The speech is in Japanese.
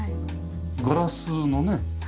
ガラスのね。